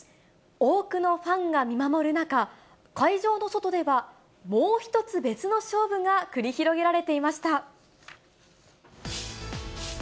多くのファンが見守る中、会場の外ではもう１つ別の勝負が繰り広げられていました。